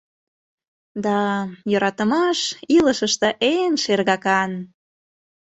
— Да, йӧратымаш — илышыште эн шергакан.